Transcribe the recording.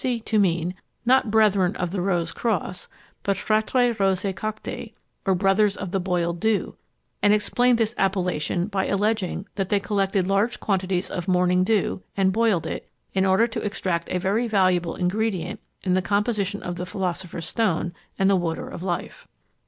C. to mean, not Brethren of the Rose cross, but Fratres Roris Cocti, or Brothers of Boiled Dew; and explained this appellation by alleging that they collected large quantities of morning dew, and boiled it, in order to extract a very valuable ingredient in the composition of the philosopher's stone and the water of life.